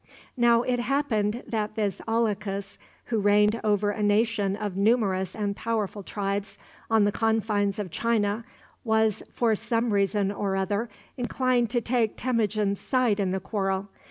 Now it happened that this Alakus, who reigned over a nation of numerous and powerful tribes on the confines of China, was, for some reason or other, inclined to take Temujin's side in the quarrel.